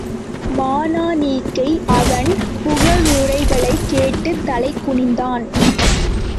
மானனீகை அவன் புகழுரைகளைக் கேட்டுத் தலைகுனிந்தாள்.